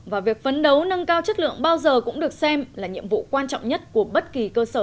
và việc phấn đấu nâng cao chất lượng bao giờ cũng được xem là nhiệm vụ quan trọng